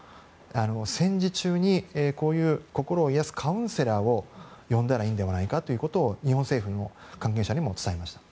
戦時中に心を癒やすカウンセラーを呼んだらいいのではないかということを日本政府の関係者にも伝えました。